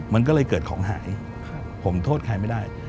มันก็เลยเกิดของหายผมโทษใครไม่ได้